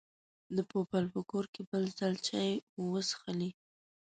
د پوپل په کور کې بل ځل چای وڅښلې.